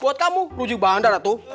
buat kamu lu juga bandar atu